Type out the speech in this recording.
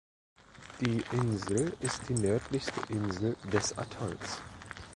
Die Insel ist die nördlichste Insel des Atolls.